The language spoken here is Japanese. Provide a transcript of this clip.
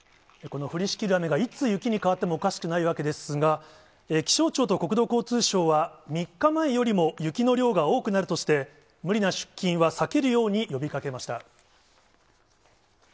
この降りしきる雨がいつ雪に変わってもおかしくないわけですが、気象庁と国土交通省は、３日前よりも雪の量が多くなるとして、無理な出勤は避けるように呼びかけました。